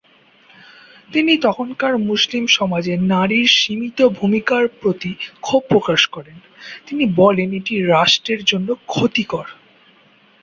তিনি তখনকার মুসলিম সমাজে নারীর সীমিত ভূমিকার প্রতি ক্ষোভ প্রকাশ করেন; তিনি বলেন এটি রাষ্ট্রের জন্য ক্ষতিকর।